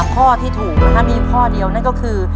ข้อที่ถูกนะครับมีข้อเดียวนั่นก็คือ